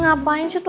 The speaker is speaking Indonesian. ngapain sih tuh